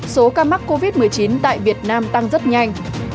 số ca mắc covid một mươi chín tại việt nam tăng rất nhanh